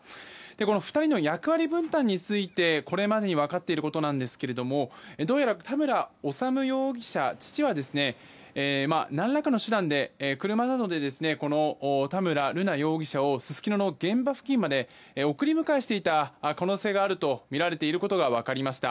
この２人の役割分担についてこれまでに分かっていることですがどうやら、父の田村修容疑者は何らかの手段で車などで田村瑠奈容疑者をすすきのの現場付近まで送り迎えしていた可能性があるとみられていることが分かりました。